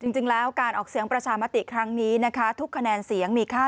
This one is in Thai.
จริงแล้วการออกเสียงประชามติครั้งนี้นะคะทุกคะแนนเสียงมีค่า